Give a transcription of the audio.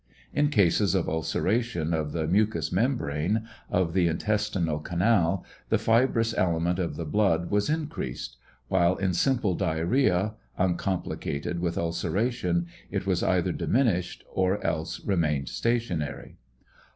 In cases of ulceration of the mucous membrane of the intestinal canal, the fibrous element of the blood was increased; while in simple diarrhea, uncomplicated with ulceration, it was either diminished or else remained stationary.